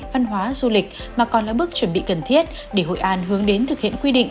văn hóa du lịch mà còn là bước chuẩn bị cần thiết để hội an hướng đến thực hiện quy định